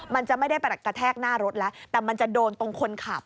มันจะไม่ได้กระแทกหน้ารถแล้วแต่มันจะโดนตรงคนขับ